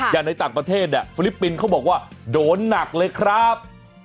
อย่างในต่างประเทศเนี่ยฟิลิปปินส์เขาบอกว่าโดนหนักเลยครับ